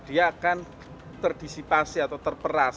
dia akan terdisipasi atau terperas